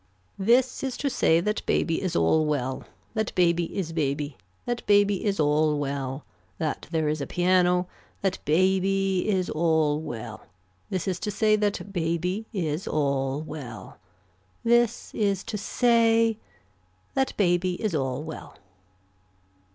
This is to say that baby is all well. That baby is baby. That baby is all well. That there is a piano. That baby is all well. This is to say that baby is all well. This is to say that baby is all well.